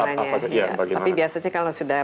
bagaimana tapi biasanya kalau sudah